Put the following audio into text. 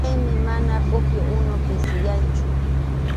Chaymi mana pukyup unun pisiyanchu.